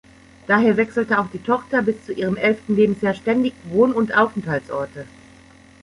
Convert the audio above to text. Daher wechselte auch die Tochter bis zu ihrem elften Lebensjahr ständig Wohn- und Aufenthaltsorte.